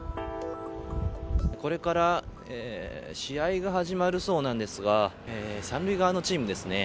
これから試合が始まるそうなんですが三塁側のチームですね